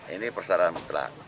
ini persaraan memperlak